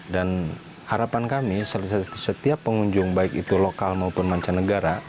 dan harapan kami setiap pengunjung baik itu lokal maupun mancanegara